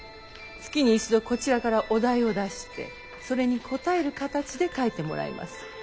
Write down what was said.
月に一度こちらからお題を出してそれに答える形で書いてもらいます。